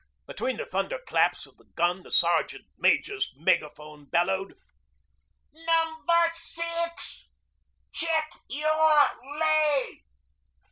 Between the thunder claps of the gun the Sergeant Major's megaphone bellowed, 'Number Six, check your lay.'